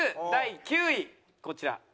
第９位こちら。